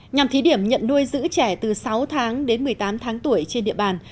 nhằm thí điểm nhận nuôi giữ trẻ từ sáu tháng đến một mươi tám tháng tuổi trên địa bàn